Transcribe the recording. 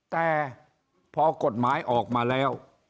แต่พอกฎหมายออกมาแล้ว